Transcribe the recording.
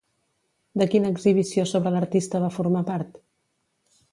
De quina exhibició sobre l'artista va formar part?